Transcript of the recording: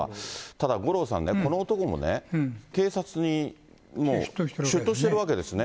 ただ、五郎さんね、この男もね、警察にもう出頭してるわけですね。